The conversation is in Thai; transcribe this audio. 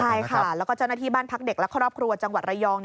ใช่ค่ะแล้วก็เจ้าหน้าที่บ้านพักเด็กและครอบครัวจังหวัดระยอง